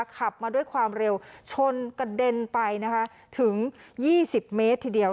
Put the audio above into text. ขับมาด้วยความเร็วชนกระเด็นไปนะคะถึง๒๐เมตรทีเดียว